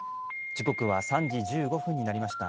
時刻は３時１５分になりました。